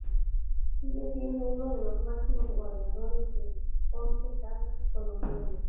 Sigue siendo uno de los máximos goleadores del Once Caldas colombiano.